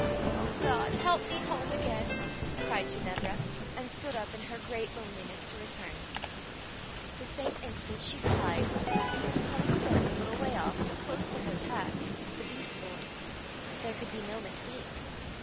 "O God, help me home again," cried Ginevra, and stood up in her great loneliness to return. The same instant she spied, seated upon a stone, a little way off, but close to her path, the beast boy. There could be no mistake.